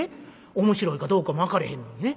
面白いかどうかも分からへんのにね